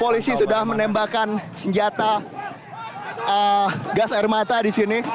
polisi sudah menembakkan senjata gas air mata di sini